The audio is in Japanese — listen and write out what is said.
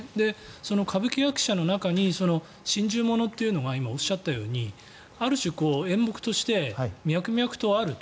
その歌舞伎役者の中に心中物というのが今おっしゃったようにある種、演目として脈々とあると。